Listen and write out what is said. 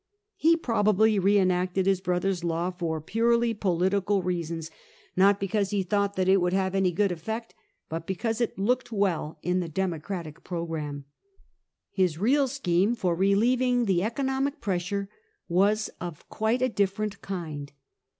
He probably re enacted his brother's law for purely political reasons, not because he thought that it would have any good effect, but because it looked well in the Democratic programme. His real scheme for relieving the economic pressure was of quite a different kind.